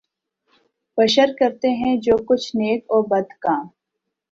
بشر کرتے ہیں جو کچھ نیک و بد کام